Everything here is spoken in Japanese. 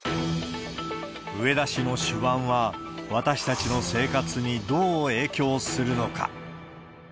植田氏の手腕は、私たちの生活にどう影響するのか。